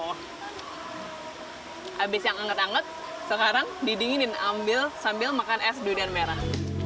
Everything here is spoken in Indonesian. habis yang anget anget sekarang didinginin sambil makan es durian merah